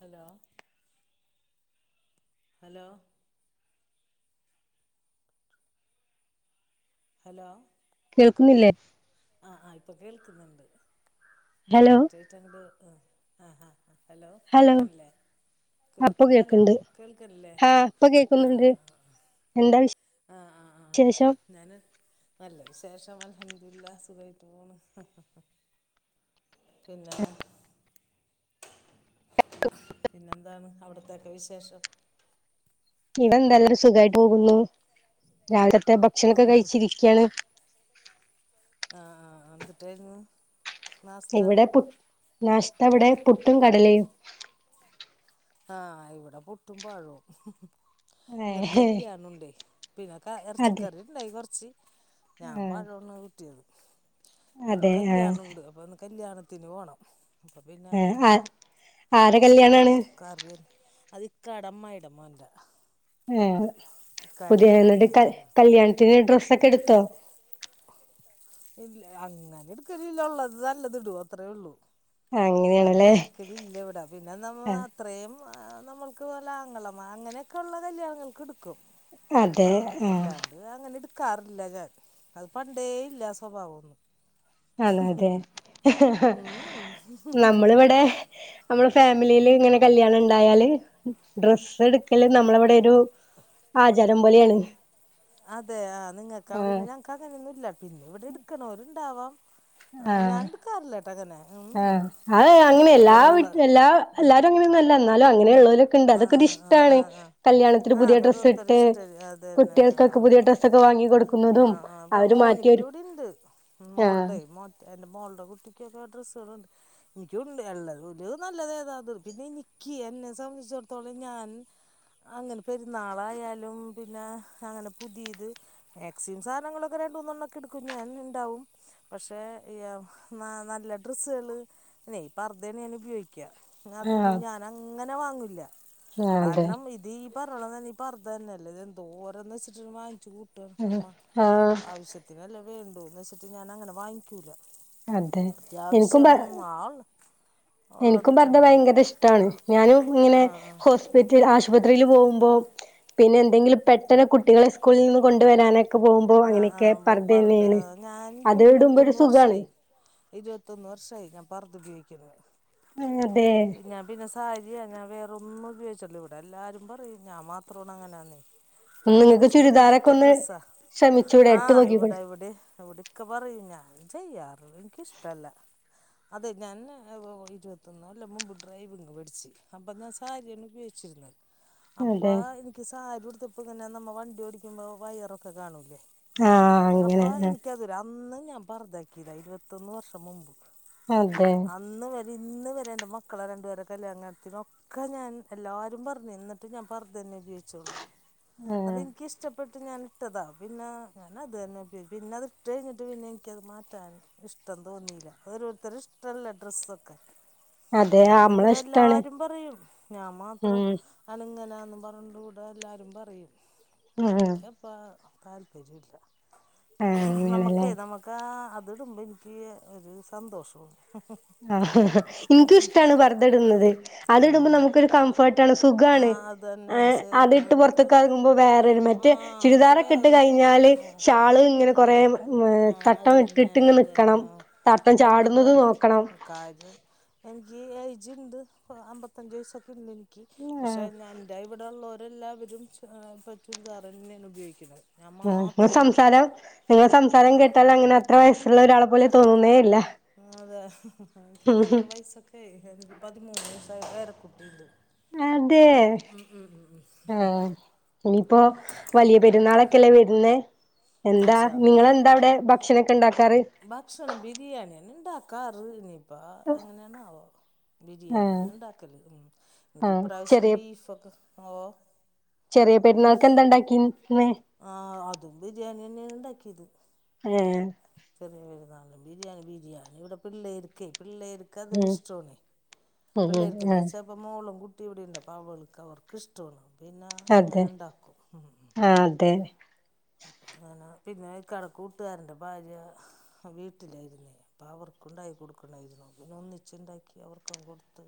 Hello hello hello കേൾക്കുന്നില്ലേ ആഹ് ആഹ് ഇപ്പ കേൾക്ക്ന്ന്ണ്ട് ഹലോ കറക്റ്റായ്റ്റെന്ത് ആഹ് ആഹ് ആഹ് ഹെലോ ഹലോ കേൾക്ക്ൺല്ലേ അപ്പൊ ഹെലോ കേൾക്കണ്ട് കേൾക്ക്ൺല്ലേ ആ ഇപ്പൊ ആഹ് കേൾക്കുന്നുണ്ട് ആഹ് ആഹ് എന്താ വിശെ ശേഷം ഞാന് നല്ല വിശേഷം അൽഹംദുര്ല്ലാ സുഖായ്ട്ട് പോണ് പിന്നെന്താ പിന്നെന്താണ് അവ്ട്ത്തെയെക്കെ വിശേഷം ഇടെ ന്ത ല്ല സുഖായ്ട്ട് പോകുന്നു രാവിലത്തെ ഭക്ഷണൊക്കെ കഴിച്ചിരിക്ക്യാണ് ആഹ് അന്തുട്ടായ്ര്ന്ന് ഇവിടെ പു നാശ്ത്തവ്ടെ പുട്ടും കടലെയും ആഹ് ഇവ്ടെ പുട്ടും പഴോം ഇന്നൊര് ഏഹ് കല്യാണുണ്ടേ പിന്നെ ക അതെ എർച്ചിക്കറി ണ്ടായ് കൊറ്ച്ച് ഞാൻ ആ പഴവാണ് കുറ്റിയെത് ഇന്ന് അതെ കല്യാണുണ്ട് അപ്പ ഇന്ന് കല്യാണ ത്തിന് പോണം ആഹ് ആ ആരെ കല്യാണാണ് കാറില് അത് ഇക്കാടെ അമ്മായിടെ മോന്റെ ആഹ് പുതിയ എന്നിട്ട് കൽ കല്യാണത്തിന് ഡ്രസ്സൊക്കെ എടുത്തോ ഇല്ല അങ്ങനെ എടുക്കലില്ല ഒള്ളത് നല്ലത് ഇടു അത്രേ ഒള്ളൂ അങ്ങനെ അങ്ങനെയാണല്ലേ എട് ക്കലില്ല ഇവടെ പിന്നെ നമ്മ ആ അത്രയും നമ്മൾക്ക് പോലെ ആങ്ങളമാ അങ്ങനെയൊക്കെ ഒള്ള കല്യാണങ്ങൾക്ക് എടു ക്കും അതെ ആ അല്ലാ അങ്ങനെ എടുക്കാറില്ല ഞാൻ അത് പണ്ടേ ഇല്ല സ്വഭാവൊന്നും അന്ന് അതെ ഉം. നമ്മളിവടെ നമ്മടെ ഫാമിലിയില് ഇങ്ങനെ കല്യാണണ്ടായാല് ഡ്രെസ്സ് എടുക്കല് നമ്മളവടെ ഒരു ആചാരം പോലെയണ് അതെ ആഹ് നിങ്ങക്ക് അവിടന്ന ഞങ്ങക്ക് അങ്ങനെയൊന്നും ഇല്ല പിന്നെ ഇവടെ എട്ക്കലോര് ഇണ്ടാവാം ആഹ് ഞാൻ എടുക്കാറില്ലെട്ടോ അങ്ങനെ ഉം. ആഹ് അത് അങ്ങനെ എല്ലാ ഉള്ള വീട്ട് എല്ലാ എല്ലാരും അങ്ങനെന്നും എന്നാലും അങ്ങനെ ഉള്ളോരൊക്കെ ഇണ്ട് ആ ആ ആ അതൊക്കൊരിഷ്ടാണ് ആ ആ കല്യാണത്തിന് ആ പുതിയ ഡ്രസ്സ് അതൊരോരുത്തരുടെ ഇട്ട് ഇഷ്ടം അത് തന്നെ കുട്ടികൾക്കൊക്കെ ആ. പുതിയ ഡ്രസ്സൊക്കെ വാങ്ങി കൊടുക്കുന്നതും ആഹ് ആഹ് അപ്പൊ അവര് മോനിക്ക് മാറ്റിയൊരു ആഹ് മോ എന്റെ മോൾടെ കുട്ടിക്കൊക്കെ ഡ്രസ്സ്കളുണ്ട് എനിക്കണ്ട് ഇള്ളത് നല്ലത് ഏതാത് പിന്നെ എനിക്ക് എന്നെ സംബന്ധിച്ചിടത്തോളം ഞാൻ അങ്ങനെ പെരുന്നാളായാലും പിന്നെ അങ്ങനെ പുതിത് എക്സി സാധനങ്ങളൊക്കെ രണ്ടൂന്നെണ്ണം ഒക്കെ എടുക്കും ഞാൻ ഇണ്ടാവും പക്ഷേ ഏയ് നല്ല ഡ്രസ്സുകള് പിന്നെ പർദ്ധാണ് ഞാൻ ഉപയോഗി ക്യ അതൊന്നും ആഹ് ഞാൻ അങ്ങനെ വാങ്ങൂല ആഹ് അതെ കാരണം ഇതീ പറയണ തന്നെ പർദ്ധ തന്നെയല്ലേ ഇത് എന്തോരോന്ന് വെച്ചിട്ട് വാങ്ങിച്ചു കൂട്ടുവ നമ്മ ആഹ് ആവശ്യ അത്തിനെല്ലേ വേണ്ടുന്ന് വെച്ചിട്ട് ഞാൻ അങ്ങനെ വാങ്ങിക്കൂല അതെ എനിക്കും അത്യാവശ്യം പ വാങ്ങും ഒള്ളതിട്ടൊണ്ട് പോവും അതാണ് ഞാനും ഇങ്ങനെ ആ ഹോ ആശുപത്രിയില് പോവുമ്പോ പിന്നെ എന്തെങ്കിലും പെട്ടെന്ന് കുട്ടികളെ സ്കൂളിൽ നിന്ന് കൊണ്ടു വെരാനെ ഒക്കെ പോവുമ്പോ ആ ആ അങ്ങനെയൊക്കെ ആ പറത് പർദ്ധെന്നെയാണ് അത് ഇടുമ്പോര് സുഖാണ് ഇരുവത്തൊന്ന് വർഷായി ഞാൻ പർദ്ധ ഉപയോഗിക്കുന്ന് ആഹ് അതെ പിന്നാ പിന്നെ സാരിയാ ഞാൻ വേറൊന്നും ഉപയോഗിച്ചിട്ടില്ല ഇവടെ എല്ലാരും പറയും ഞാൻ മാത്രവാണ് അങ്ങനാന്നേ ഞാനത് നിങ്ങൾക്ക് ഇഷ്ടപ്പെട്ടിട്ട ചുരിദാറൊക്കെ ഒന്ന് ഡ്രസ്സാ ശ്രമിച്ചൂടെ ഇട്ട് ആഹ് ഇവടെ നോക്കിക്കൂടെ ഇവടെ ഇവടൊക്കെ പറയും ഞാൻ ചെയ്യാറു എനിക്ക് ഇഷ്ടല്ല അതെ ഞാൻ ഇരുപത്തൊന്ന് കൊല്ലം മുമ്പ് ഡ്രൈവിങ് പടിച്ച് അപ്പൊന് സാരിയാണ് ഉപയോ ച്ചിരുന്ന അപ്പ അതെ എനിക്ക് സാരി ഉടുത്തപ്പോങ്ങനെ നമ്മ വണ്ടി ഓടിക്കുമ്പോ വയറൊക്കെ കാണൂല്ലേ ആഹ് അങ്ങനെ അപ്പാ ആഹ് എനിക്കത് വരെ അന്ന് ഞാൻ പർദ്ധാക്കിയതാ ഇരുപത്തൊന്ന് വർഷം മുമ്പ് അതെ അന്ന് വരെ ഇന്ന് വരെണ്ട് മക്കളെ രണ്ടുപേരെ കല്യാണത്തിനോ ഒക്കെ ഞാൻ എല്ലാരും പറഞ്ഞ് എന്നിട്ടും ഞാൻ പർദ്ധന്നെ ഉപയോ ആഹ് അതെനിക്കിഷ്ടപ്പെട്ട് ഞാൻ ഇട്ടതാ പിന്നെ ഞാൻ അത് തന്നെ ഉപയോക്യ പിന്നെ അത് ഇട്ടേഴിഞ്ഞിട്ട് പിന്നെ എനിക്കത് മാറ്റാൻ ഇഷ്ടം തോന്നില്ല അതൊരൊത്തരെ ഇഷ്ടല്ലെ ഡ്രസ്സൊക്കെ അതെ അവടെ നമ്മളെ ഇവടെ ഇഷ്ടാണ് എല്ലാരും പറയും ഞാൻ ഉം മാത്രം ആണങ്ങനാന്ന് പറഞ്ഞ് കൂടെ എല്ലാരും പറയും ഉം ആഹ് എനിക്കപ്പം തല് ശരിയല്ല നമുക്കെ അങ്ങനെല്ലേ നമു ക്കാ അത്ട്മ്പ എനിക്ക് ഒരു സന്തോഷം ആഹ് ഇന്ക്കും ഇഷ്ട്ടാണ് പർദ്ദ ഇട്ന്നത് അത് ഇടുമ്പോ നമുക്കൊരു കം ഫട്ടാണ് ആ സുഖാണ് അതുതന്നെ ഏഹ് സേ അതിട്ട് നമുക്ക് പൊർത്ത്ക്ക് അറങുബോ വേറൊരു ആ മറ്റെ നമുക്ക് ചുരിദാറൊക്കെ ഇട്ട് വേറെ കഴിഞ്ഞാ ഞാല് ആ ഷാള് ഇങ്ങനെ കൊറേ അതുതന്നെ ആ തട്ടം അതുതന്നെ ഇട്ടിട്ട് ഇങ്ങ അതുതന്നെ നിക്കണം തട്ടം ചാടുന്നത് നോക്കണം ക്കാജ് എനിക്ക് ഐജ്ണ്ട് അമ്പത്തഅഞ്ച് വയസ്സൊക്കിണ്ട് എ ക്കി പക്ഷെ ആഹ് ഞാൻ ൻ്റെ ഇവിടെ ഉ ള്ളോരല്ലാവരും ഏഹ് ഇപ്പ ച്ചുരിദാറെന്നേൺ ഉപയോഗിക്കുന്നത് ഞാൻ ആഹ് മാത്രമേ ഉള്ളൂ നിങ്ങസംസാരം നിങ്ങ സംസാരം കേട്ടാലും അങ്ങനെ അത്ര വയസ്സുള്ള ഒരാള പോലെ തോന്നുന്നേ ഇല്ല ആതെ എനിക്ക് അത്ര വയസ്സൊക്കെ ആയി എനിക്ക് പതിമൂന്ന് [unintelligible] പേര കുട്ടിണ്ട് അതെ ആഹ് ഇനിയിപ്പോ വലിയ പെരുന്നാളൊക്കെല്ലേ വരുന്നെ എന്താ ഇൻഷാ അള്ളാ നിങ്ങളെന്താ അവിടെ ഭ ക്ഷണൊക്കെണ്ടാക്കാറ് ഭക്ഷണം ബിരിയാണി എന്നേ ഇണ്ടാക്കാറ് ഇനിപ്പാ എങ്ങനെണാവോ ബിരിയാണി ആഹ് എന്നെണ്ടാക്കല് ഉം ഇനിപ്പ ആഹ് ഇപ്രാവിശ്യം ചെറിയ ബീഫൊക്കെ ഓഹ് ചെറിയ പെരുന്നാൾക്ക് എന്താണ്ടാക്കീന്ന് ആഹ് അതും ബിരിയാണി ന്നേണ് ഇണ്ടാക്കിത് ഏഹ് ചെറിയ പെരുന്നാൾ ബിരിയാണി ബിരിയാണി ഇവിടെ പിള്ളേര്കൈ പിള്ളേര് കതൊര് ഉം ഇഷ്ടോണയ് ഉം ഉം പിള്ളേര്ക്ക്ന്ന് ആഹ് വച്ച ഇപ്പം മോളും കുട്ടി ഇവിടെണ്ട് അപ്പ അവൾക്ക് അവർക്ക് ഇഷ്ടോണ് പിന്നെ അങ്ങനെ അതെ ഇണ്ടാക്കും ഉം ആഹ് അതെ അപ്പ അങ്ങന പിന്നെ ഇക്കാടെ കൂട്ടാരന്റെ ഭാര്യ വീട്ടിലായിരുന്നേ അപ്പം അവർക്കുണ്ടായി കൊടുക്കണേ ര്ന്നു പിന്നെ ഒന്നിച്ച്ണ്ടാക്കി അവർക്കും കൊടുത്തു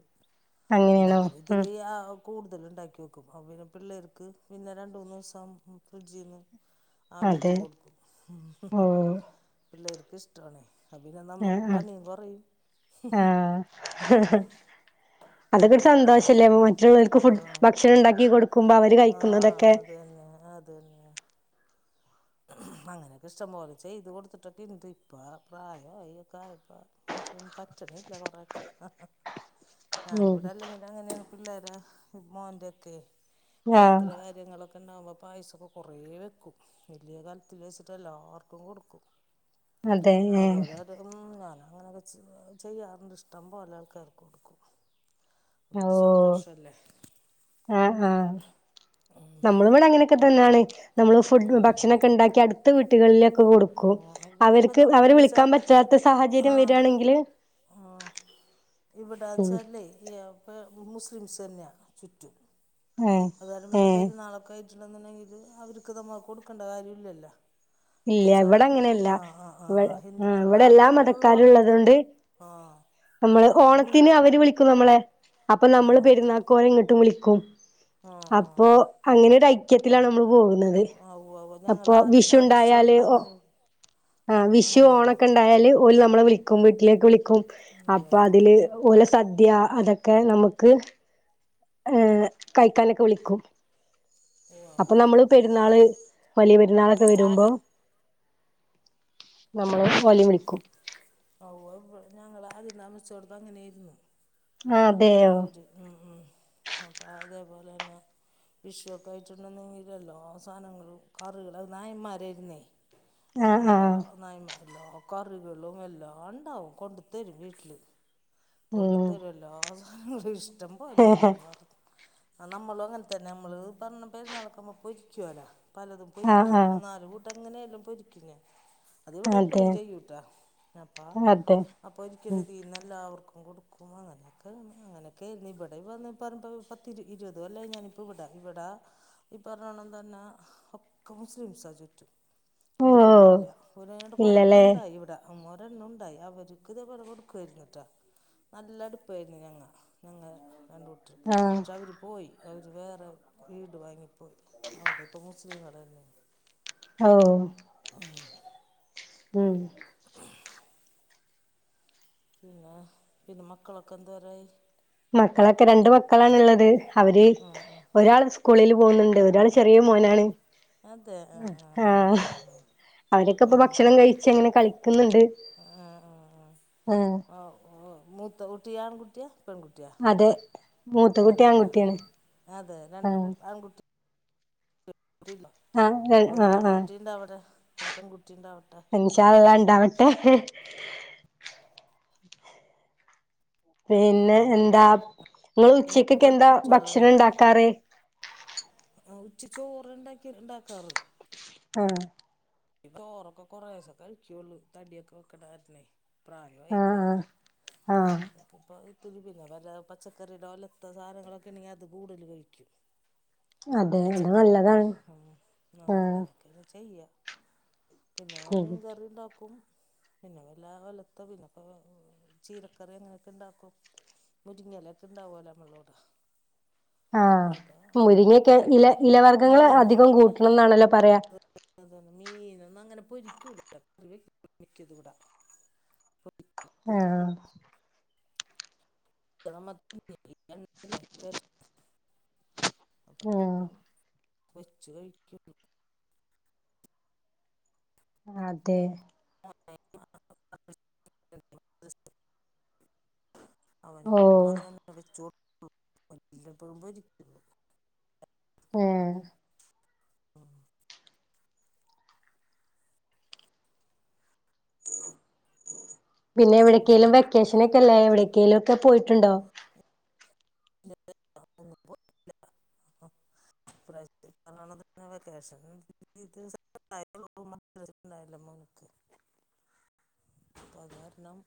അങ്ങനെയാണോ ഉം ഇണ്ടാക്കുബത്തിരി ആവും കൂടുതൽ ഉണ്ടാക്കി വെക്കും അപ്പോ പിന്നെ പിള്ളേർക്ക് പിന്നെ രണ്ട് മൂന്ന് ദിവസം ഫ്രിഡ്ജീന്ന് ആവേറ്റി അതെ കൊടുക്കും ഉം ഓഹ് പിള്ളേർക്ക് ഇഷ്ടാണേ അ പിന്നെ ആഹ് നമ്മക്ക് പണിയും കൊറയും ഹ അതൊക്കെ ഒരു സന്തോഷല്ലേ അങ്ങനെയൊക്കെ മറ്റുള്ളവർക്ക് ആ ഫു ഭക്ഷണം ഇണ്ടാക്കി കൊടുക്കുമ്പോ അവര് ആ കഴിക്കുന്നതൊക്കെ അത് തന്നെ തന്നെ അങ്ങനൊക്കെ ഇഷ്ടംപോലെ ചെയ്ത് കൊടുത്തിട്ടൊക്കെ ഇണ്ട് ഇപ്പ പ്രായം ആയി ഒക്കെ ആയപ്പ മനുഷ്യന് പറ്റിണില്ല കൊറേ ക്കേ ഉം ഞാനിവിടെ അല്ലെങ്കിലും അങ്ങനെയാ പിള്ളേര മോന്റെക്കെ ആഹ് വെർത്തിഡേ കാര്യങ്ങളൊക്ക ഇണ്ടാവുമ്പോ പായസൊക്കെ കൊറേ വെക്കും വല്ല്യേ കല്ത്തില് വെച്ചിട്ട് എല്ലാർക്കും കൊടുക്കും അതെ ഏഹ് അതുപോലെ ഉം ഞാൻ അങ്ങനെക്കെ ചെയ്യാ ചെയ്യാറുണ്ട് ഇഷ്ടം പോല ആൾക്കാർക്ക് കൊടുക്കും അതൊരു ഓഹ് സന്തോഷമല്ലേ ആഹ് ആഹ് ഉം നമ്മളും ഇവിടെ അങ്ങനെ ക്കെത്തന്നാണ് നമ്മള് ഫു ഭക്ഷണൊക്കെ ഇണ്ടാക്കി അട് ത്ത വീട്ട്കളിലൊക്കെ കൊടുക്കും ഓഹ് പിന്നെ ഇപ്പ അവർക്ക് അവരെ നമ്മൾന്ന് വെച്ചാ വിളിക്കാ പറ്റാത്ത സാഹചര്യം ആഹ് വരാണെങ്കില് ആഹ് ഉം ഇവിടാച്ചാലൈ ഏപ്പ് മുസ്ലിംസ് തന്നെയാ ചുറ്റും ഏഹ് അത് കാരണം പിന്നെ ഏഹ് പെരുന്നാളൊക്കെയി [unintelligible] ണ്ടെങ്കിൽ അവർക്ക് നമ്മ കൊടുക്കണ്ട കാര്യ വില്ലല്ലാ ഇല്ല എന്നച്ച ഇവിടെ അങ്ങനെയല്ല ഓക്ക് ആഹ് ആ ഹ് ആഹ് ഇവി ആഹ് ഹിന്ദുക്കള ഇവിടെ എല്ലാ ഉള്ള മതക്കാരും ഉള്ളാട് ഉള്ളത് കൊണ്ട് ആഹ് നമ്മള് ഇവിടെ മി ഓണത്തിന് അവര് വിളിക്കും നമ്മളെ അപ്പൊ നമ്മള് ആഹ് പെരുന്നാ ഓരേ ഇങ്ങട്ടും വിളിക്കും ആഹ് ആഹ് അപ്പോ അങ്ങനെ ഒരു ഐക്യത്തിലാണ് നമ്മള് പോകുന്നത് ആ ആ ഞങ്ങളാ ആദ്യം താ ട്ടായാല് ഓ ആ വിഷു ഓണോക്കെ അങ്ങനെയായിരുന്നു ഉണ്ട ണ്ടായാല് ഓല് നമ്മളെ വിളിക്കും വീട്ടിലേക്ക് വിളിക്കും ഉവ്വ് ഉവ്വ് അപ്പൊ അതില് ഉവ്വ് ഓലെ സദ്യ അതൊക്കെ നമുക്ക് കഴിക്കാനൊക്കെ വിളിക്കും അപ്പൊ ഉവ്വ് നമ്മള് പെരുന്നാള് വലിയ പെ രുന്നാളൊക്കെ പെരുന്നാളൊക്കെ വരുമ്പോ നമ്മള് ഓലെയും വിളിക്കും ഓ അ ഞങ്ങൾ ആദ്യം തമച്ചോടുത്ത് അങ്ങനൊയിരുന്നു ആഹ അവര് അപ്പം അതേപോലെ തന്നെ വിഷുക്കെ ആയിട്ടുണ്ടന്നെങ്കില്ലല്ലോ അവസാനങ്ങൾ കറുക ള് നായന്മാരായിരുന്നേ ആഹ് അപ്പൊ ആഹ് നായൻമാ എല്ലാ കറികളും എല്ലാം ഉണ്ടാവും കൊണ്ട് തരും വീട്ടില് കൊണ്ട് ഉം തരും എ എല്ലാ സാധനങ്ങളും ഇഷ്ടം പോലായിരിക്കും വർ ആ നമ്മളും അങ്ങനെ തന്നെ നമ്മൾ പറഞ്ഞ പെരുന്നാളൊക്കെ ആകുമ്പോ പൊരിക്കുവല്ലോ പലതും ആഹ് പൊരിക്കും ആഹ് മൂന്നാല് കൂ ട്ട എങ്ങനെയല്ലാം പൊരിക്ക ഞ അതിടെ അതെ എപ്പഴും ചെയ്യൂട്ടാ നപ്പാ അതെ അപ്പോൾ ഒരിക്കരു ഉം രീ എല്ലാവർക്കും കൊടുക്കും അങ്ങനെ അങ്ങനെയൊക്കെയിരുന്നു ഇവിടെ വ പറ പത്തി ഇരുപത് അല്ല ഞാനിപ്പ ഇവിട ഇവിടാ ഈ പറഞ്ഞോണം തന്നെ ഒക്കെ മുസ്ലിംസ ചുറ്റും ഓഹ് ഹിന്ദുക്കളില്ല ഒരുനട്ട് ഒരെണ്ണം ഇല്ലല്ലേ ഉണ്ടായി ഇവിടെ അമ്മോരെണ്ണം ഉണ്ടായി അവർക്ക് ഇതെ പോലെ കൊടുക്കുയിരുന്നട്ടാ നല്ലടു ഇായിരുന്നു ഞങ്ങ ഞ രണ്ടൂട്ടരു ആഹ് അവ പോയി അവര് വേറെ വീട് വാങ്ങിപ്പോയി അവിടെ ഇപ്പോൾ മുസ്ലിംകൾ തന്നെ അ ഓ ആ ഉം ! ! ! ! ! ! പിന്നെ പിന്നെ മക്കളൊക്കെ എന്തുവെരായി മക്കളൊക്കെ രണ്ട് മക്കളാണുള്ളത് അവര് ആ ഒരാൾ സ് കുളിൽ പോകുന്നുണ്ട് ഒരാൾ ചെറിയ മോനാണ്. അതെ ആ ആ ഹാ ആ ആ ആ അവരൊക്കെ ഇപ്പ ഭക്ഷണം കഴിച്ച് അങ്ങനെ കളിക്കുന്നുണ്ട്. ആ ആഹ് ആ ആ മൂത്ത കുട്ടിആൺകുട്ടിയ പെൺ കുടിയോ അതെ മൂത്ത കുട്ടി ആൺകുട്ടിയാണ് അതെ രണ്ടും ആൺകുട്ടി ആഹ് ആഹ് അപ്പൊ ഒരു ആഹ് ആഹ് പെൺകുട്ടി ഉണ്ടാവട്ടെ ഒരു പെൺകുട്ടിണ്ടാവട്ടെ ഇഷാള്ളാഹ് ണ്ടാവട്ടെ. പിന്നെ എന്താ ങ്ങള് പിന്നെ ഉച്ചക്കൊക്കെ എന്താ പെൺകുട്ടികളാണ് ഭക്ഷണം ഉണ്ടാക്കാറ്. ആ ഉച്ച ചോറ് ഉണ്ടാക്കി ഉണ്ടാക്കാറ് ആ ചോറൊക്കെ കൊറേശെ കഴിക്കൊള്ളു തടിയൊക്കെ വെക്കണ കാരണെ. പ്രായോആയില്ലേ. ആഹ് ആഹ് ആഹ് ഇപ്പ ഇത്തിരി പിന്ന വല്ല പച്ചക്കറിടെ വല്ല സാധനങ്ങളൊക്കെ ഉണ്ടെങ്കിൽ അത് കൂടുതലു കഴിക്കും. അതെ അത് പച്ചക്കറിയൊക്കെ, നല്ലതാണ് ഉം ആ ആഹ് അങ്ങനെയൊക്കെ അങ്ങ് ചെയ്യ പിന്നെ ഉം ഞാന്മീൻകറി ണ്ടാക്കും. പിന്നെ വല്ലാ [unintelligible] പിന്നെപ്പോ ചീരക്കറി അങ്ങനെയൊക്കെ ഇണ്ടാക്കും മുരിങ്ങല ക്കെണ്ടാവോലോ നമ്മളോടെ. ആഹ്, സാധാ മുരിങ്ങെക്കെ അങ്ങനൊക്കെ ഇല ഇലവർഗ്ഗങ്ങള്ൾ മീനൊന്നും അധികം അങ്ങനെ കൂട്ടണം ന്നാണല്ലോ പറയാ. അതാണ് മീനൊന്നും അങ്ങനെ പൊരിക്കൂല [unintelligible] മിക്കതും പൊരിക്കൂല. കുറുവ ആഹ് ആഹ് [unintelligible] പൊരിച്ചു കഴിക്ക അതെ [inaudible] അവന ഓഹ് [unintelligible] ഏഹ് ആഹ് പിന്നെ എവിടേക്കേലും വെക്കേഷനൊക്കെല്ലേ എവിടേക്കേലും ഒക്കെ പോയിട്ടുണ്ടോ? [unintelligible] ഇപ്രാവശ്‌ [unintelligible] മദ്റസ ണ്ടായല്ലോ മോന്ക് അത് കാരണം.